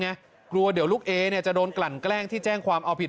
กลัวเดี๋ยวลูกเอเนี่ยจะโดนกลั่นแกล้งที่แจ้งความเอาผิด